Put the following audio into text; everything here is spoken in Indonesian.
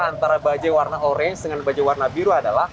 antara bajaj warna orange dengan bajaj warna biru adalah